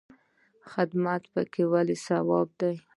خدمت پکې ولې ثواب دی؟